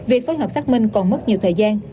việc phối hợp xác minh còn mất nhiều thời gian